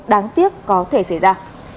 đáng tiếc có thể xảy ra